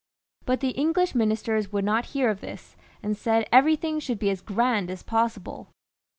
But the English ministers would not hear of this, and said everything should be as grand as possible.